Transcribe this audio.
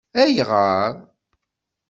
Ayɣer?